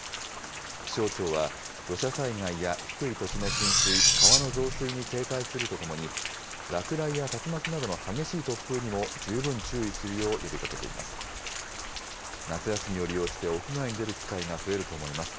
気象庁は、土砂災害や低い土地の浸水、川の増水に警戒するとともに、落雷や竜巻などの激しい突風にも十分注意するよう呼びかけています。